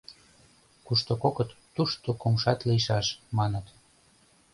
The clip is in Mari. Кушто кокыт, тушто кумшат лийшаш, маныт.